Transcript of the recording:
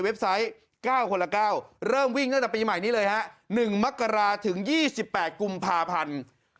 ไซต์๙คนละ๙เริ่มวิ่งตั้งแต่ปีใหม่นี้เลยฮะ๑มกราถึง๒๘กุมภาพันธ์